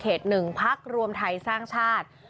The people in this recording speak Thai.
เขตหนึ่งพักรวมไทยสร้างชาติ